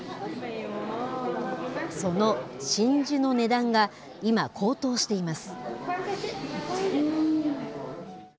その真珠の値段が、今、高騰しています。